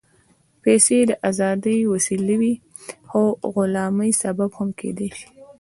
پېسې د ازادۍ وسیله وي، خو د غلامۍ سبب هم کېدای شي.